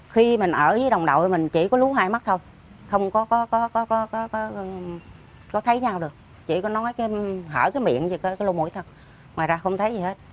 khi mình ở với đồng đội mình chỉ có lúa hai mắt thôi không có thấy nhau được chỉ có nói cái hở cái miệng vậy cái lúa mũi thôi ngoài ra không thấy gì hết